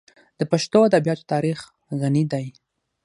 د پښتو ادبیاتو تاریخ غني دی.